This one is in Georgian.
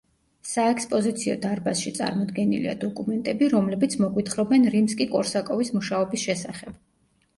საექსპოზიციო დარბაზში წარმოდგენილია დოკუმენტები, რომლებიც მოგვითხრობენ რიმსკი-კორსაკოვის მუშაობის შესახებ.